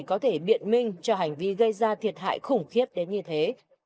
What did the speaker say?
cả triệu tỷ đồng thì không có lý do gì có thể biện minh cho hành vi gây ra thiệt hại khủng khiếp đến như thế